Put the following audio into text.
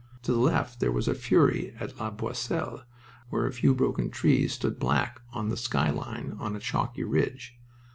To the left there was fury at La Boisselle, where a few broken trees stood black on the skyline on a chalky ridge.